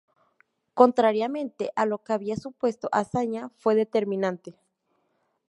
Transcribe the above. Contrariamente a lo que había supuesto Azaña, fue determinante.